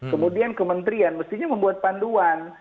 kemudian kementerian mestinya membuat panduan